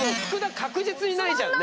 確実にないじゃんね。